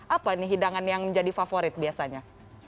apa nih hidangan yang menjadi favorit biasanya